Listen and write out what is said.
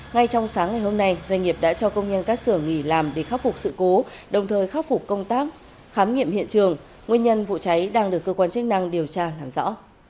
ngay trong sáng ngày hôm nay doanh nghiệp đã cho công nhân các xưởng nghỉ làm để khắc phục sự cố đồng thời khắc phục công tác khám nghiệm hiện trường nguyên nhân vụ cháy đang được cơ quan chức năng điều tra làm rõ